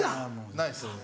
ないですね。